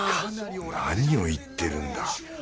何を言ってるんだ